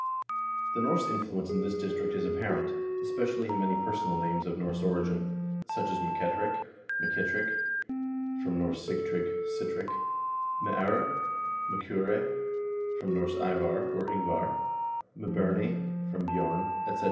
The Norse influence in this district is apparent, especially in many per sonal names of Norse origin, such as M'Ketterick, M'Kittrick, from Norse Sigtrygg, Sitric; M'Eur, M'Cure, from Norse Ivar, or Ingvar ; M'Burney from Bj0rn ; etc.